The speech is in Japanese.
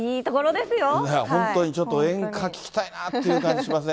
本当にちょっと、演歌聴きたいなっていう感じしますね。